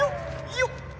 よっ！